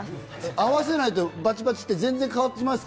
合わせないとバチバチって全然変わりますからね。